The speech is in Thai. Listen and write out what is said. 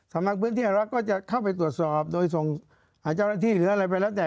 สมัครพื้นที่แห่งรัฐก็จะเข้าไปตรวจสอบโดยส่งหาเจ้าหน้าที่หรืออะไรไปแล้วแต่